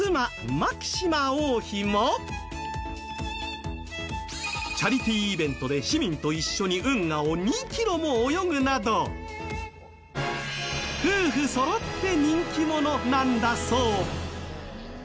マキシマ王妃もチャリティーイベントで市民と一緒に運河を２ｋｍも泳ぐなど夫婦そろって人気者なんだそう。